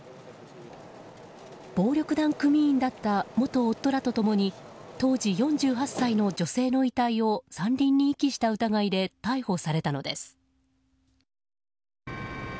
暴力団組員だった元夫らと共に当時４８歳の女性の遺体を山林に遺棄した疑いで逮捕されたのです。